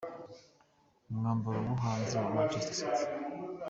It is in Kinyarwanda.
Umwambaro wo hanze wa Manchester City